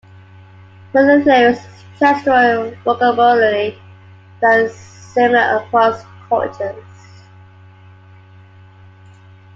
Motherese has a gestural vocabulary that is similar across cultures.